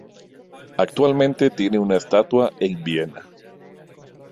Actualmente tiene una estatua en Viena.